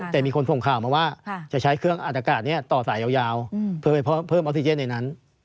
แต่มีคนส่งข่าวมาว่าจะใช้เครื่องอัดอากาศนี้ต่อสายยาวเพื่อไปเพิ่มออกซิเจนในนั้น